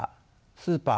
スーパー